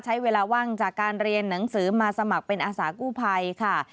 ใช้เวลาว่างจากการเรียนหนังสือมาสมัครเป็นอาสากู้ภัยค่ะ